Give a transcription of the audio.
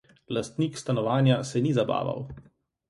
Lastnik stanovanja se ni zabaval.